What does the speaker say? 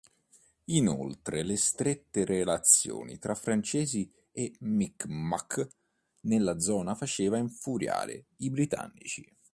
Inoltre le strette relazioni tra francesi e Mi'kmaq nella zona faceva infuriare i britannici.